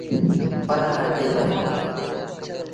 پرآن رکي ڇڏ۔